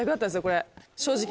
これ正直。